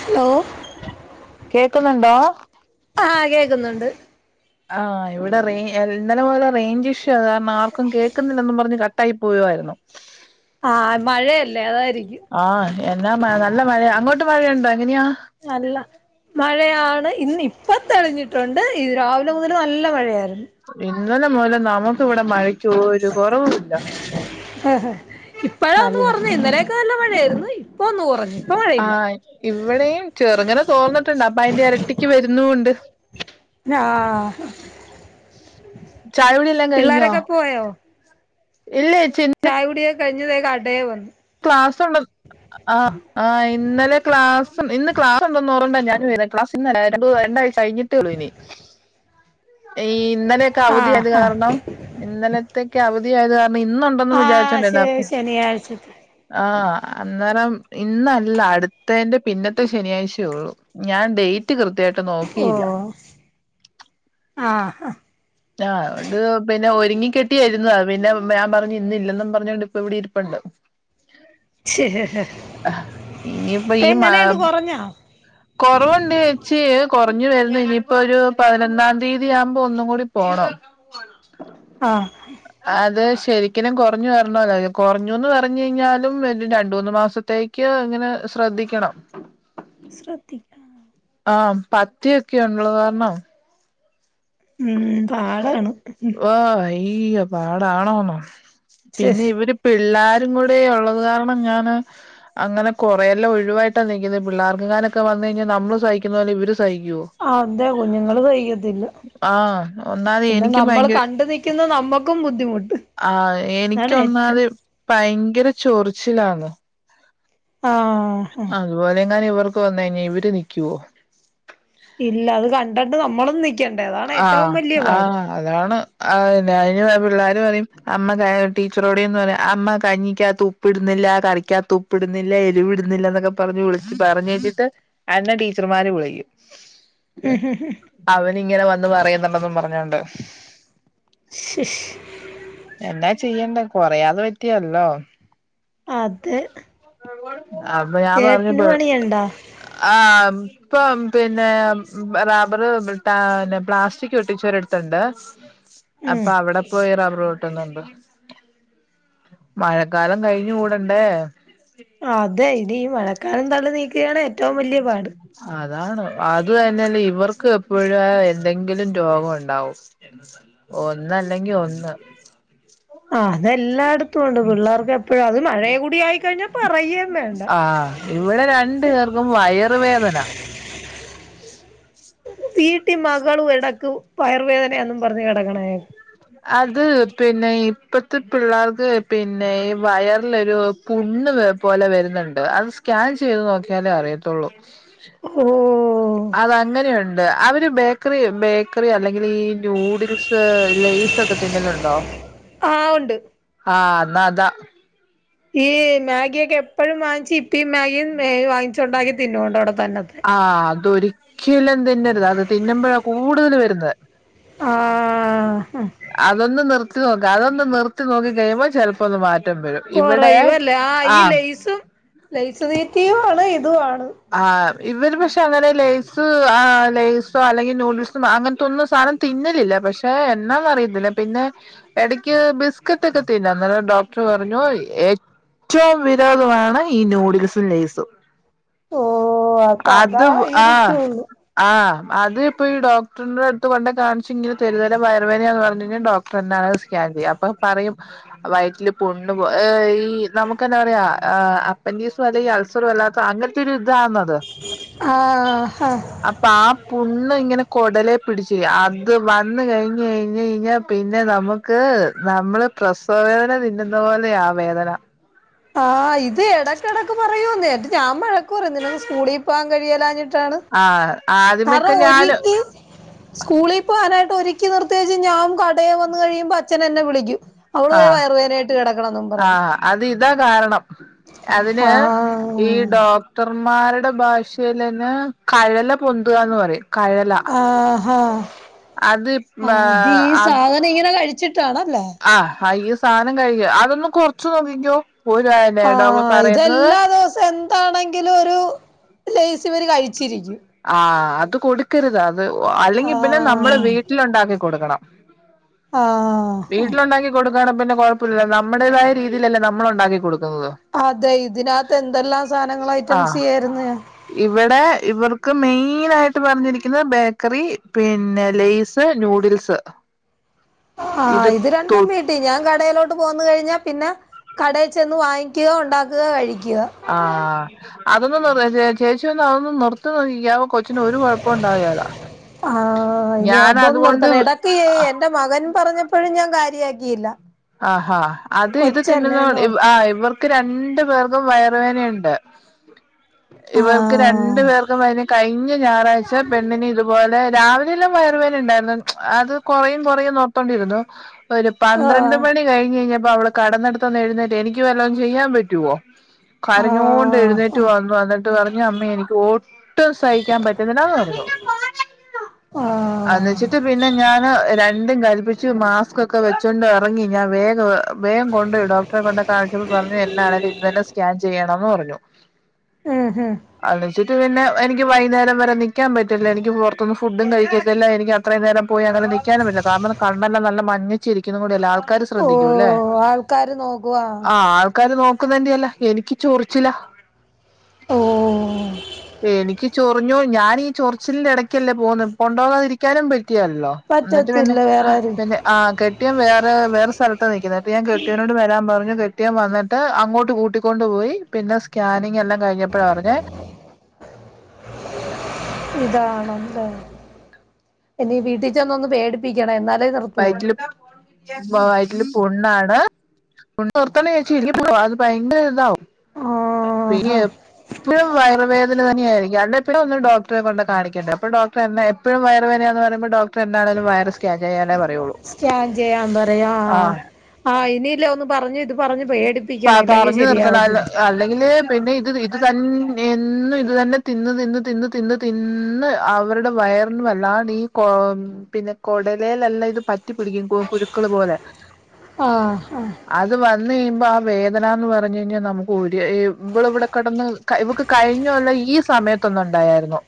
Hello കേക്കുന്നുണ്ടോ അഹാ കേക്കുന്നുണ്ട് ആ ഇവിടെ റേയ് ഇന്നലെ മുതൽറേഞ്ച് ഇഷ്യൂ കാരണം ആർക്കും കേൾക്കുന്നില്ലന്നും പറഞ്ഞ് കട്ടായി പോവായിരുന്നു [unintelligible] ആഹ് മഴയല്ലേ അതായിരിക്കും ആ എന്നാമഴ നല്ല മഴ അങ്ങോട്ട് മഴ യുണ്ടോ എങ്ങനെയാ അല്ല മഴയാണ് ഇന്ന് ഇപ്പോ തെളിഞ്ഞി തൊണ്ട് ഈ രാവിലെ മുതല് നല്ല മഴയായിരുന്നു ഇന്നലെ മൂതല് നമുക്ക് ഇവിടെ മഴക്ക് ഒരു കുറവും മില്ല [unintelligible] ഇപ്പളന്നു കുറഞ്ഞ് ഇന്നലെയൊക്കെ നല്ല മഴയായിരുന്നു ഇപ്പൊ ഒന്നും കുറഞ്ഞു ഇപ്പ മഴയില്ല ആഹ് ഇവിടെയും ചെറ്ങ്ങനെ തോർന്നിട്ടുണ്ട് അപ്പൊ അയിന്റെ ഇരട്ടിക്ക് വരുന്നുണ്ട് [unintelligible] ചായ കുടി പിള്ളേരൊക്കെ പോയോ ഇല്ലേ ചോച്ചി ചായ കുടി കഴിഞ് ഇതേ കടേ പോവുന്നു ക്ലാസ്സ് ഉണ്ട് ആഹ് ആഹ് ഇന്നലെ ക്ലാസ് ഇന്ന് ക്ലാസ് ഉണ്ടെന്ന് പറഞ്ഞോണ്ടാ ഞാൻ വര ക്ലാസ് ഇന്നല്ല രണ്ടാഴ്ച കഴിഞ്ഞിട്ടേ ഒള്ളു ഇനി ഏയ് ഇന്നലെ ആഹ് അവധിയായത് ആഹ് കാരണം ഇന്നലത്തക്ക് അവധിയായത് കാരണം ഇന്നുണ്ടന്ന് ആഹ് വിചാരിച്ചോണ്ടിരുന്നെ അപ്പം ശ ശനിയാഴ്ചത്തെ ആഹ് അന്നേരം ഇന്നല്ല അടുത്തേന്റെ പിന്നത്തെ ശനിയാഴ്ചയേ ഒള്ളു ഞാൻ ഡേറ്റ് കൃത്യമായിട്ട് നോക്കിയില്ല ഓഹ് ആഹ് ആഹ് അതൊണ്ട് പിന്നെ ആഹ് ഒരുങ്ങിക്കെട്ടിയിരുന്നതാ പിന്നെ ഞാൻ പറഞ്ഞു ഇന്ന് ഇല്ലെന്നും പറഞ്ഞോണ്ട് ഇപ്പം ഇവിടെ ഇരിപ്പുണ്ട് [inaudible] ഇപ്പം എങ്ങനെയുണ്ട് കുറഞ്ഞോ കുറവുണ്ട് ചേച്ചി കുറഞ്ഞു വരുന്ന് ഇനിയിപ്പം ഒരു പതിനൊന്നാം തീയതി ആവുമ്പോ ഒന്നും കൂടി പോണം ആഹ് അത് ശരിക്കലും കുറഞ്ഞു വരണമല്ലോ കുറഞ്ഞൂന്ന് പറഞ്ഞ് കഴിഞ്ഞാലും ഒരു രണ്ട് മൂന്ന് മാസത്തേ ക്ക് അങ്ങനെ ശ്രദ്ധിക്കണം ശ്രദ്ധിക്കണം ആഹ് പദ്യം ഒക്കെ ഉള്ളത് കാരണം ഉം പാടാണ് ഉം ഓ ഇയ്യോ പാടാണോന്നോ ശ് പിന്നെ ഇവര് പിള്ളാരും കൂടെ ഉള്ളത് കാരണം ഞാന് അങ്ങനെ കുറേയെല്ലാം ഒഴിവായിട്ടാ നിൽക്കുന്നത് പിള്ളേർക്കങ്ങാനൊക്കെ വന്ന കഴിഞ്ഞാ നമ്മള് സഹിക്കുന്ന പോലെ ഇവര് സഹിക്കുവോ ആഹ് അതെ കുഞ്ഞുങ്ങള് സഹിക്കത്തില്ല ആഹ് ഒന്നാതെ പിന്നെ എനിക്ക് നമ്മള് ഭയങ്കര കണ്ടു നി ക്കുന്ന നമ്മക്കും ബുദ്ധിമുട്ട് ആഹ് അതാണ് ഏറ്റവും എനിക്കൊന്നാത് പയങ്കര ചൊറിച്ചിലാന്ന് ആഹ് ഉം ഇതുപോലെ എങ്ങാനും ഇവർക്ക് വന്നു കഴിഞ്ഞാ ഇവര് നിക്കുവോ ഇല്ല അത് കണ്ടട്ട് നമ്മളും നിക്കണ്ടേ അതാണ് ഏറ്റവും ആഹ് വലിയ പാട് ആഹ് അതാണ് ആ അയിന് പിള്ളേര് പറയും അമ്മ ക ടീച്ചറോട് ചെന്ന് പറയും അമ്മ കഞ്ഞിക്കാത്ത് ഉ പ്പിടുന്നില്ല കറിക്കാത്ത് ഉപ്പ് ഇടുന്നില്ല എരിവ് ഇടുന്നില്ല എന്നൊക്കെ പറഞ്ഞു വിളിച്ച് പറഞ്ഞേച്ചിട്ട് അന്ന് ടീച്ചർമാര് വിളിക്കും ഉം ഉം ഉം അവനിങ്ങനെ വന്ന് പറയുന്നുണ്ടന്നും പറഞ്ഞോണ്ട് ശ് ശ് എന്നാ ചെയ്യണ്ടെ കൊറയാതെ പറ്റിയേലല്ലോ അതെ അപ്പൊ ഞാൻ പറഞ്ഞു ചേട്ടന് പെ പണിയുണ്ടാ ആഹ് ഇപ്പം പിന്നെ റബറ് ട്ടാന് പ്ലാസ്റ്റിക് പൊട്ടിച്ചൊരിടുത്തുണ്ട് ഉം അപ്പോ അവിടെ പോയി റബ്ബറ് വെ ട്ടുന്നുണ്ട് മഴക്കാലം കഴിഞ്ഞു കൂടണ്ടേ അതെ ഇനി ഈ മഴക്കാലം തള്ളി നീക്ക് [inaudible] അതാണ് അത് തന്നെയല്ല ഇവർക്ക് എപ്പോഴും എന്തെങ്കിലും രോഗം ഒണ്ടാവും ഒന്നല്ലെങ്കി ഒന്ന് ആഹ് അതെല്ലായിടത്തും ഒണ്ട് പിള്ളേർക്ക് എപ്പഴാ അത് മഴയു കൂടി ആയിക്കഴിഞ്ഞാ പറയേം വേണ്ട ആഹ് ഇവിടെ രണ്ടു പേർക്കും വയറ് വേദന വീട്ടി മകളും ഇടക്കു വയറ് വേദനയാന്നും പറഞ്ഞ് കിടക്കണ കേ അത് പിന്നെ ഇപ്പത്തെ പിള്ളേർക്ക് പിന്നെ ഈ വയറിലൊരു പുണ്ണ് വേ പോലെ വരുന്നുണ്ട് അത് സ്കാൻ ചെയ്ത് നോക്കിയാലേ അറിയത്തുള്ളൂ ഓഹ് അതങ്ങനെയുണ്ട് അവര് ബേക്കറി ബേക്കറി അല്ലെങ്കിൽ ഈ ന്യൂഡിൽസ് ലെയിസൊക്കെ തിന്നലുണ്ടോ ആഹ് ഒണ്ട് ആഹ് എന്നാ അതാ ഈ മാഗിയൊക്കെ എപ്പോഴും വാങ്ങിച്ച് ഇത്തീം മാഗിയും മേ വാങ്ങിച്ചുണ്ടാക്കി തിന്നോണ്ടോ അവിടെ തന്നെത്ര ആഹ് അതൊരിക്കലും തിന്നരുത് അത് തിന്നുമ്പോഴാ കൂടുതല് വരുന്നേ ആഹ് അതൊന്ന് നിർത്തി നോക്ക് അതൊന്ന് നിർത്തി നോക്കി കഴിയുമ്പോ ചെല പ്പൊന്ന് മാറ്റം വരും ഇവിടെ ആം ലൈസു തീറ്റയുവാണ് ഇതുവാണ് ആഹ് ഇവര് പക്ഷെ അങ്ങനെ ലെയസ് ആഹ് ലെയസോ അല്ലെങ്കി നൂഡിൽസോ അങ്ങനത്തൊന്നു സാനം തിന്നലില്ല പക്ഷെ എന്നാന്ന് അറിയത്തില്ല പിന്നെ എടയ്ക്ക് ബിസ്കറ്റ് ഒക്കെ തിന്നാം അന്നേരം ഡോക്ടറ് പറഞ്ഞു എ റ്റവും വിരോദമാണ് ഈ നൂഡിൽസും ലേയ്സും ഓഹ് അപ്പൊ അത് ആഹ് അതായിരിക്കുള്ളൂ ആഹ് അത് ഇപ്പോ ഈ ഡോക്ടറിന്റെ അടുത്ത് കൊണ്ട കാണിച്ചിങ്ങനെ തെരുതെരെ വയറ് വേദനാന്ന് പറഞ്ഞ് കഴിഞ്ഞാ ഡോ ക്ടറന്നെ അത് സ്‌കാൻ ചെയ്യും അപ്പൊ പറയും വയറ്റില് പുണ്ണ് പോ ഏഹ് ഈ നമുക്ക് എന്നാ പറയാ ഏഹ് അപ്പൻഡീസും അല്ലെങ്കി അൾസറുവല്ലാത്ത അങ്ങന ത്തൊരു ഇതാന്ന് ആഹ് ഹാ അപ്പൊ ആ പുണ്ണ് ഇങ്ങനെ കൊടലെ പിടിച്ചു അത് വന്ന് കയിഞ്ഞ് കഴിഞ്ഞ് കഴിഞ്ഞാ പിന്നെ നമ്മ ക്ക് നമ്മള് പ്രസവ വേദന തിന്നുന്ന പോലെയാ ആ വേദന ആഹ് ഇത് എടക്കെടയ്ക്ക് പറയൂന്നേ എന്നിട്ട് ഞാൻ വഴക്ക് പറയും നിനക്ക് സ്കൂളി പോകാ ൻ കഴിയേലാഞ്ഞിട്ടാണ് ആഹ് ആദ്യമേക്കെ ഞാന് സ്കൂളിൽ പോകാനായിട്ട് ഒരിക്കി നിർത്തിയെച്ച് ഞാൻ കടയിൽ വന്നു കഴിയുമ്പോ അച്ഛനെന്നെ വിളിക്കും അവള് പോയി ആഹ് വയറുവേദനയായിട്ട് കിടക്കണെന്നും പറഞ്ഞ് ആഹ് അത് ഇതാ കാരണം ആ അതിന് ഈ ഡോ ഡക്ടർമാരുടെ ഭാഷല്ന് കഴല പൊന്തുകാന്ന് പറയും കഴല ആഹാ അത് ആഹ് അതീ അത് സാധനം ഇങ്ങനെ കഴിച്ചിട്ടാണല്ലേ ആഹ് ആയി സാധനം കഴിക് അതൊന്ന് കൊറച്ച് നോക്കിക്കോ പോ ആഹ് ഇതെല്ലാ ദിവസം എന്താണെങ്കിലും ഒരു ലേസ് ഇവര് കഴിച്ചിരിക്കും ആഹ് അത് കൊടുക്കരുത് അത് ആ അല്ലെങ്കിൽ പിന്നെ നമ്മുടെ വീ വീട്ടിൽ ഉണ്ടാക്കി കൊടുക്കണം ആ വീട്ടിൽ ഉണ്ടാക്കി കൊടുക്കാണേ പിന്നെ കൊഴപ്പ ഇല്ലലോ നമ്മുടേതായ രീതിയിലല്ലേ നമ്മള് ഉണ്ടാക്കി കൊടുക്കുന്നത് അതെ ഇതിനകത്ത് എന്തെല്ലാം സാധനങ്ങൾ ഐറ്റംസ് ആഹ് ചേരുന്നേയ ഇവിടെ ഇവർക്ക് മെയിന ആയിട്ട് പറഞ്ഞിരിക്കുന്നത് ബേക്കറി പിന്നെ ലെയ്സ് ന്യൂഡിൽസ് ആഹ് ഇത് തൊ രണ്ടും പി ഞാൻ കടയിലോട്ട് പോകന്ന കഴിഞ്ഞാൽ പിന്നെ കടയിൽ ചെന്ന് വാങ്ങിക്കുക ഉണ്ടാക്കുക കഴിക്കുക ആഹ് അതൊന്ന് നിർ ചെ ചെ ചേച്ചി ഒന്ന് അതൊന്നന്ന് നിർത്തി നോക്കിക്കേ അവ കൊച്ചിന് ഒരു കൊഴപ്പ ഉണ്ടാവേലാ ആ ഇനി ഞാൻ അതൊന്നും അതുകൊണ്ട് നിർത്തണം ഇടക്ക് എന്റെ മകൻ പറഞ്ഞപ്പോഴും ഞാൻ കാര്യയാക്കിയില്ല ആഹാ അത് ഇത് തിന്നുന്ന ആഹ് ഇവർ രണ്ടു പേർക്കും വയറുവേനയുണ്ട് ഇവർക്ക് രണ്ടു ആഹ് പേർക്കും അതിന കഴ ഇഞ്ഞ ഞായറാഴ് പെണ്ണിന് ഇതുപോലെ രാവിലെല്ലും വയറു വേനണ്ടായിരുന്നു അത് കൊറയും കൊറയും ക്കോണ്ടിരുന്നു ഒരു പന്ത്രണ്ട് ആഹ് മണി കഴിഞ്ഞഴിഞ്ഞപ്പോ അവള് കടന്നെടുത്തന്ന് എഴുന്നേറ്റ് എനിക്ക് വല്ലോം ചെയ്യാൻ പറ്റുവോ കരഞ്ഞോ ണ്ട് എഴുന്നേറ്റ് ആഹ് വന്നു എന്നിട്ട് പറഞ്ഞ അമ്മ എനിക്ക് ഓ ഒട്ടും സഹിക്കാൻ പറ്റത്തില്ലറഞ്ഞു ആഹ് അന്ന്ച്ചിട്ട് പിന്നെ ഞാന് രണ്ടും കൽപ്പിച്ച് മാസ്ക് ഒക്കെ വെച്ചോണ്ട് എറങ്ങി ഞാൻ വേഗവ വേഗം കൊണ്ട് പോയി ഡോക്ടറെ കൊണ്ട കാഴ്ച്ചാപ്പൊ പറഞ്ഞു എന്നാണേങ്കലും ഇന്ന് തന്നെ സ്കാൻ ചെയ്യണന്ന് പറഞ്ഞു. ഉം ഹും അത്ച്ചിട്ട് പിന്നെ എനിക്ക് വൈന്നേരം വരെ നിക്കാൻ പറ്റില്ല എനിക്ക് പുറത്തുന്ന് ഫുഡും കഴിക്കത്തില്ല എനിക്ക് അത്രയും നേരം പോയി അങ്ങനെ നിക്കാനും പറ്റില്ല കാരണം കണ്ണേല്ല നല്ല മഞ്ഞച്ചിരിക്കുന്ന കൂടെല്ലെ ആൾക്ക ൾക്കാര് ഓ ശ്രദ്ധിക്കുല്ലെ ആൾക്കാര് നോക്കുവാ ആഹ് അള് ആക്കാര് നോക്കുന്നേൻ്റെ അല്ല എനിക്ക് ചോറിച്ചില. ഓ എനിക്ക് ചോറ് റഞ്ഞോ ഞാനീ ചൊറച്ചിലിന്റെ എടക്കല്ലേ പോകന്ന് കൊണ്ടോകതിരിക്കാനും പറ്റികേലല്ലോ. എന്നിട്ട് പിന്നെ പറ്റത്തില്ല വേറെ ആരും പിന്നെ ആഹ് കെട്ടിയോൻ വേ വേറെ സ്ഥലത്ത് നിക്കുന്നത് ഞാൻ കെട്ടിയനോട് വരാൻ പറഞ്ഞു കെട്ടിയൻ വന്നിട്ട് അങ്ങോട്ട് കൂട്ടിക്കൊണ്ട്പപോയി പിന്നെ സ്കാനിങ് എല്ലാം കഴിഞ്ഞപ്പോഴാണ് അറിഞ്ഞേ ഇതാണല്ല ഇനി വീട്ടിച്ചെന്ന് ഒന്ന് പേടിപ്പിക്കണം എന്നാലെ വൈറ്റില് വയറ്റില് പുണ്ണാണ് പുണ് നിർത്തണ ചേച്ചില്ലങ്കി അത് ഭയങ്കര ഇതാവും പിന്നെ ആഹാ എപ്പോഴും വയറുവേദന തന്നെയായിരിക്കും അല്ലടെപ്പഴും ഒരു ഡോക്ടറെ കൊണ്ട് കാണിക്കണ്ടെ അപ്പൊ ഡോക്ടറെ എന്നെ എപ്പയും വയർവേദനയന്ന് പറയ്മ്പോൾ ഡോക് ക്ടർ എന്താണങ്കിലും വയറ് സ്കയാൻ ചെയ്യാനെ പറയുള്ളൂ സ്കാൻ ചെയ്യാൻ പറയാ ആഹ് ആഹ് ഇനിയില്ല ഒന്നും പ പറഞ്ഞു നിർത്തണല്ല ശരിയാവത്തില്ല അല്ലെങ്കില് പിന്നെ ഇത് അതന്ന എന്നും ഇതന്നെ തിന്ന് തിന്ന് തിന്ന് തിന്ന് തിന്ന് അവരുടെ വയറിന് വല്ലാണ്ടീ കൊ പിന്നെ കൊടലെയിലെല്ലാം ഇത് പറ്റി പിടിക്കും പുഴുക്കള് പോലെ ആഹ് അഹ് ഇത് വന്ന് കഴിയുമ്പോ ആ വേദന എന്ന് പറഞ്ഞു കഴിഞ്ഞാൽ നമുക്ക് ഒരു ഇവള് ഇവിടെ കെടന്ന് ഇവക്ക് കഴിഞ്ഞ കൊല്ലം ഈ സമയത്തൊന്ന് ഉണ്ടായിരുന്നു.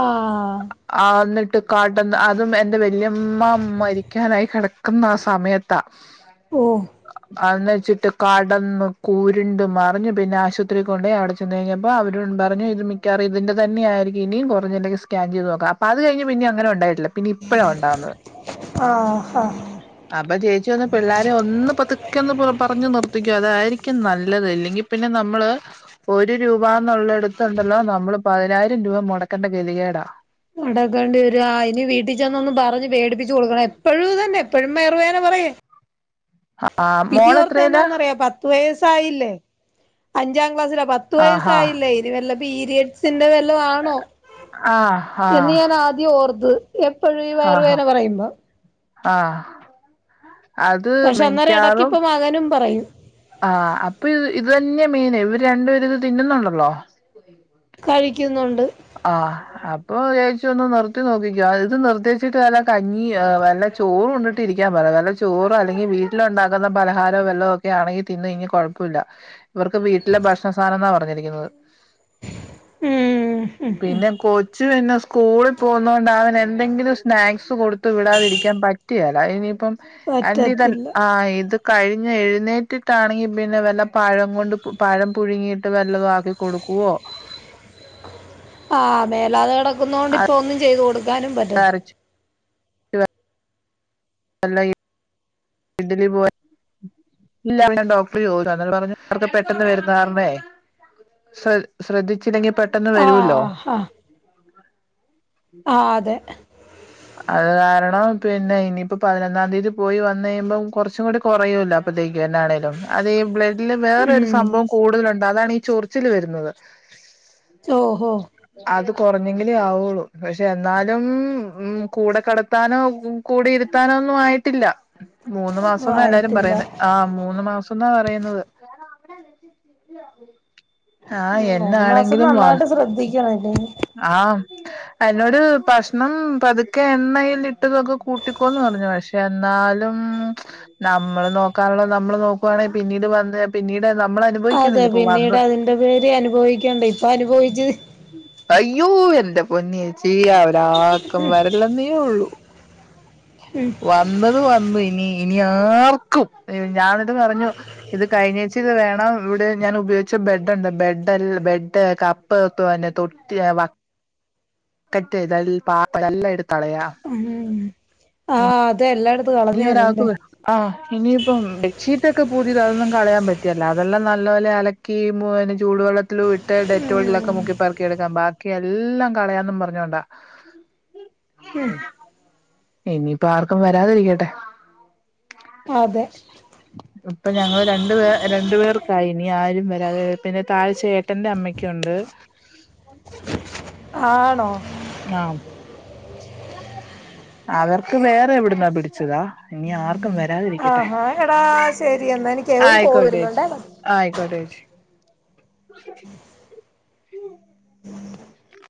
ആഹ് ആ എന്നിട്ട് കാട്ടന്ന് അതും എന്റെ വല്യാമ്മ മരിക്കാനായി കെടക്കുന്ന ആ സമയത്താ ഓ അന്ന് വെച്ചിട്ട് കടന്ന് കൂരുണ്ട് മറിഞ്ഞ് പിന്നെ ആശുപത്രിക്ക് കൊണ്ടോയി അവിടെ ചെ ചെന്ന് കഴിഞ്ഞപ്പോ അവര് പറഞ്ഞു ഇത് മിക്കാവാറും ഇതിന്റെ തന്നെ ആയിരിക്കും ഇനി കുറഞ്ഞില്ലെങ്കി സ്കാൻ ചെയ്ത് നോക്കാൻ അത്ഴിഞ്ഞ് പിന്നെ അങ്ങനെ ഉണ്ടായിട്ടില്ല പിന്ന ഇപ്പോഴാണ് ഉണ്ടാവുന്നത്. ആഹ് അപ്പൊ ചേച്ചി വന്ന് പിള്ളോരേ ഒന്ന് പൊ തിക്കന്ന് പറഞ്ഞു നിർത്തിക്കോ അതായിരിക്കും നല്ലത് ഇല്ലെങ്കി പിന്നെ നമ്മള് ഒരു രൂപ എന്നുള്ളടത്ത് ഒണ്ടല്ലോ നമ്മള് പതിനായിരം രൂപ മുടക്കേണ്ട ഗതികേടാ. അടക്കേണ്ടി വരു ഇനി വീട്ടിൽ ചെന്നൊന്ന് പറഞ്ഞ് പേടിപ്പിച്ച് കൊടുക്കണം എപ്പഴും ഇത് തന്നെ എപ്പഴും വയറു വേദന. പറയ് ആ പിതി ഓർത്ത് മോളെത്രയിലാ എന്നാന്നറിയ പത്ത് പത്ത് വയസയില്ലേ അഞ്ചാം ക്ലാസ്സില പത്ത് ആഹാ വയസ്സായില്ലേ ഇനി വല്ല പീരിയഡ് സ് ഇതിന്റെ വെല്ലോ ആണോ ആഹ് ആഹ് എന്ന് ഞാൻ ആദ്യം ഓർത്ത് എപ്പഴും ഈ വയറ് ആഹാ വേദന പറയുമ്പം ആഹ് അത് പക്ഷെ അന്നേരം മിക്കാറും ഇടക്കിപ്പ മകനും പറയും. ആഹ് അപ്പൊ ഇത് തന്നെയാ മെയിന് ഇവര് രണ്ടുപേര് ഇത് തിന്നുന്ന് ഒണ്ടല്ലോ. ! ! ! ! ! ! ! ! ! ! ! ! ! ! ! ! ! ! ! കഴിക്കുന്നുണ്ട്. ആഹ് അപ്പൊ വിജാരിച്ച് ഒന്ന് നിർത്തി നോക്കിക്കോ ഇത് നിർത്തിച്ചിട്ട് വല്ല കഞ്ഞി വല്ല ചോറ് ഉണ്ടിട്ടിരിക്കാൻ പറ വല്ല ചോറോ അല്ലെങ്കിൽ വീട്ടിലുണ്ടാക്കുന്ന പലഹാരോ വല്ല ഒക്കെ ആണെങ്കി തിന്ന് കഴിഞ്ഞാ കെഴ ഇവർക്ക് വീട്ടിലെ ഭക്ഷണ സാധനം എന്നാ പറഞ്ഞിരിക്കുന്നത് ഉം ഉം ഉം പിന്നെ കൊച്ച് ച്ച് ന്നെ സ്കൂളിൽ പോന്നൊണ്ട് അവൻ എന്തെങ്കിലും സ്നാക്സ് കൊടുത്ത് വിടാതിരിക്കാൻ പറ്റിയെല ഇനിയിപ്പം പറ്റത്തില്ല [unintelligible] ആ ഇത്‌ കഴിഞ്ഞ് എഴുന്നേറ്റിട്ടാണെങ്കി പിന്നെ വല്ല പഴം കൊണ്ട് പഴം പുഴുങ്ങിയിട്ട് വല്ലതും ആക്കി കൊടുക്കുവോ ആഹ് മേലാതെ കെടക്കുന്നൊണ്ട് ഇപ്പ ഒന്നും ചെയ്ത് കൊടുക്കാനും പറ്റത്തി ഇറച്ചി അല്ലായി ഇഡ്ലി പോ ഇല്ല ഞാൻ ഡോക്ടർ ചോ അന്നനെ പറഞ്ഞു അവർക്ക് പെട്ടെന്ന് വര്ന്ന കാര്ണേയ് ശ്രദ്ധിച്ചില്ലെങ്കി പെട്ടെന്ന് വരുവല്ലോ ആഹ് ആഹ് ആഹ് അതെ അത് കാരണം പിന്നെ ഇനിയിപ്പോ പതിനൊന്നാം തീയതി പോയി വന്നു കഴിയുമ്പം കൊറച്ചും കൂടി കൊറയുവല്ലോ മ്പത്തേക്ക് തന്നെ ആണേലും ഇല്ലേ വേറെരു ഉം സംഭവം കൂടുതലുണ്ട് അതാണ് ഈ ചൊറിച്ചില് വരുന്നത് ഓഹോ അത് കെറഞ്ഞെങ്കിലേ ആവൂള്ളു പക്ഷെ എന്നാലും ഉം ഉം കൂടെ കെടത്താനോ കൂടെ ഇരുത്താനോ ഒന്നും ആയിട്ടില്ല മൂന്ന് ഒന്നും മാസമാ എല്ലാരും ആയിട്ടില്ല പറയുന്നെ ആഹ് മൂന്ന് മാസം എന്നാ പറയുന്നത്. ആഹ് മൂന്ന് മാസം എന്നാണെങ്കിലും വ നന്നായിട്ട് ശ്രദ്ധിക്കണം ഇല്ലെങ്കി ആഹ് എന്നോട് ഭക്ഷണം പതുക്കെ എണ്ണയിലിട്ടതൊക്കെ കൂട്ടിക്കോന്ന് പറഞ്ഞു പക്ഷേ എന്നാലും നമ്മള് നോക്കാനുള്ളത് നമ്മള് നോക്കുവാണെങ്കി പിന്നീട് വന്ന് പിന്നീട് നമ്മള് അനു അതെ പിന്നീട് അതിന്റെ പേര് അനുഭവിക്കെണ്ട ഇപ്പൊ അനുഭവിച്ചത് അയ്യോ എന്റെ പൊന്നേച്ചി ആഹ് ഇതാർക്കം വരല്ലെന്നേ ഉള്ളൂ ഉം വ വന്നത് വന്നയിന്ന് ഇനി ആർക്കും ഞാനിത് പറഞ്ഞു ഇത് കഴിഞ്ഞെച്ച് ഇന്ക്ക് ഇത് വേണം ഇവ്ടെ ഞാൻ ഉപയോഗിച്ച ബെഡ്ണ്ട് ബെഡ ബെഡ് കപ്പ് തന്നെ തൊ ട്ടിലി ബ ക്കറ്റ് [unintelligible] കളയാ ഹ്മ്മ് ആഹ് അതെല്ലാട് ഇനി ഒരാക്ക് വേണോ ആഹ് ഇനിയിപ്പം ബെഡ്ഷീറ്റൊക്കെ പൂതിയതാ അതൊന്നും കളയാൻ പറ്റില്ല അതെല്ലാം നല്ല പോലെ അല ക്കി മു ചൂടുവെള്ളത്തിലുട്ട് ഡെറ്റൊളിലൊക്കെ മുക്കി പെറുക്കിയെട്ക്കാം ബാക്കി എല്ലാം കളയാന്നും പറ ഞ്ഞതാ. ഹ്മ്മ് ഇനിയിപ്പം ആർക്കും വരാതിരിക്കട്ടെ. അതെ ഇപ്പൊ ഞങ്ങള് രണ്ട് പേർ രണ്ടു പേർക്കായി ഇനി ആരും വരാ പിന്നെ താഴെ ചേട്ടന്റെ അമ്മ ക്ക്ണ്ട്. ആണോ ആഹ് അവർക്ക് വേറെവ്ട്ന്നോ പിടിച്ചതാ ഇനി ആർക് ആഹ് ഹായെടാ ശെരി എന്നാ എനിക്കേ ഒര് കോള് വരുന്നുണ്ടേ ആഹ് ആയിക്കോട്ടെച്ചി. [inaudible]